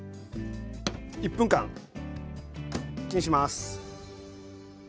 １分間チンします。